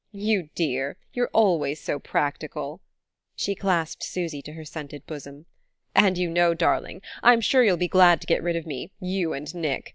You dear, you're always so practical!" She clasped Susy to her scented bosom. "And you know, darling, I'm sure you'll be glad to get rid of me you and Nick!